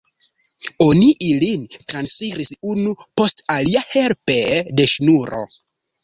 Oni ilin transiris unu post alia helpe de ŝnuro.